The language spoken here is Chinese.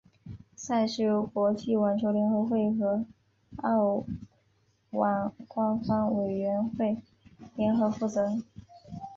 赛事由国际网球联合会和澳网官方委员会联合负责。